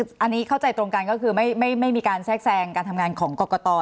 อันนี้เข้าใจตรงกันก็คือไม่มีการแทรกแทรงการทำงานของกรกต